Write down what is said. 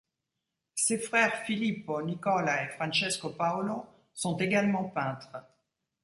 Ses frères Filippo, Nicola et Francesco Paolo sont également peintres.